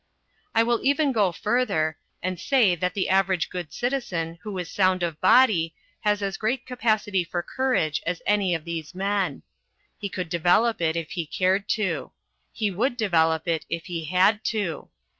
I will even go further, and say that the average good citizen who is sound of body has as great capacity for courage as any of these men. He could develop it if he cared to; he would develop it if he had to.